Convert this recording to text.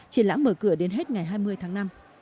triển lãm mở cửa đến hết ngày hai mươi tháng năm